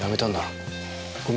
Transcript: ごめんね。